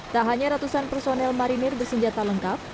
tak hanya ratusan personel marinir bersenjata lengkap